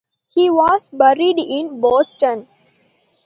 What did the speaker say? He was buried in Boston.